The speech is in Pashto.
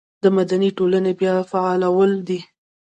د مدني ټولنې بیا فعالول دي.